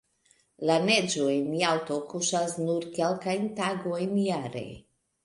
La neĝo en Jalto kuŝas nur kelkajn tagojn jare.